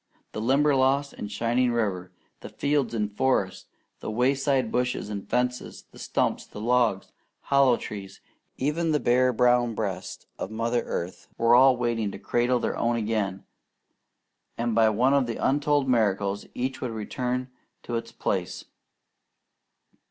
The Limberlost and shining river, the fields and forests, the wayside bushes and fences, the stumps, logs, hollow trees, even the bare brown breast of Mother Earth, were all waiting to cradle their own again; and by one of the untold miracles each would return to its place.